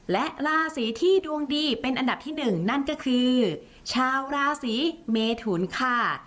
และราศีที่ดวงดีเป็นอันดับที่๑นั่นก็คือชาวราศีเมทุนค่ะ